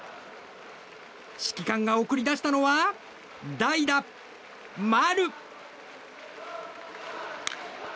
指揮官が送り出したのは代打、丸。